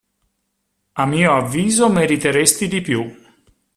A mio avviso meriteresti di più.